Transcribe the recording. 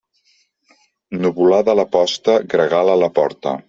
Nuvolada a la posta, gregal a la porta.